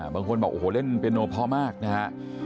บางคนบอกโอ้โหเล่นเปียโนพอมากนะฮะ